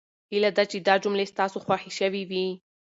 هیله ده چې دا جملې ستاسو خوښې شوې وي.